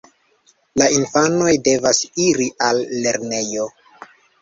La infanoj devas iri al lernejo.